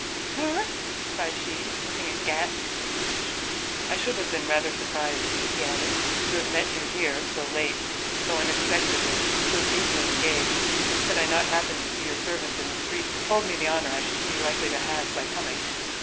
"Sir!" cried she, looking aghast at this speech. "I should have been rather surprised," he added, "to have met you here, so late, so unexpectedly, so deeply engaged had I not happened to see your servant in the street, who told me the honour I should be likely to have by coming."